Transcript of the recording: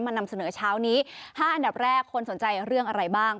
นำเสนอเช้านี้๕อันดับแรกคนสนใจเรื่องอะไรบ้าง